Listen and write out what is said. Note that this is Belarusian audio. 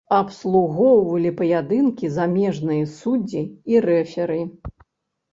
Абслугоўвалі паядынкі замежныя суддзі і рэферы.